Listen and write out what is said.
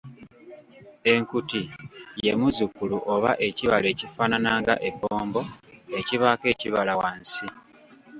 Enkuti ye muzzukulu oba ekibala ekifaanana nga ebbombo ekibaako ekibala wansi.